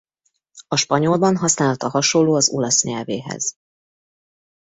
A spanyolban használata hasonló az olasz nyelvéhez.